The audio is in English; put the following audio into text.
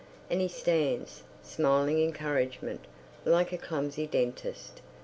And he stands, smiling encouragement, like a clumsy dentist.